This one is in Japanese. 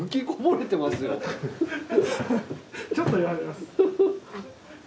ちょっとやられます。